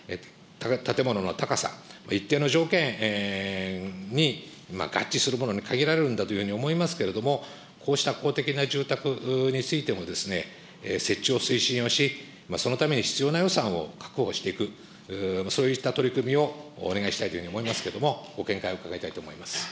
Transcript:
建物の高さ、一定の条件に合致するものに限られるんだというふうに思いますけれども、こうした公的な住宅についても、設置を推進をし、そのために必要な予算を確保していく、そういった取り組みをお願いしたいというふうに思いますけれども、ご見解を伺いたいと思います。